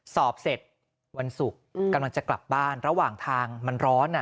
สอบเสร็จวันศุกร์กำลังจะกลับบ้านระหว่างทางมันร้อน